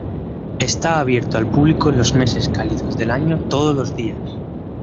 Está abierto al público en los meses cálidos del año todos los días.